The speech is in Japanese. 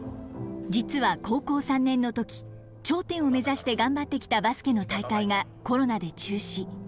実は高校３年の時頂点を目指して頑張ってきたバスケの大会がコロナで中止。